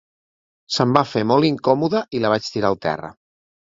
Se'm va fer molt incòmoda i la vaig tirar a terra.